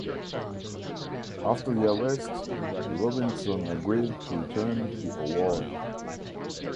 After the arrest Robinson agreed to return the award.